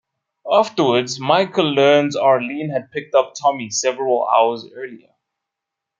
Afterwards, Michael learns Arlene had picked up Tommy several hours earlier.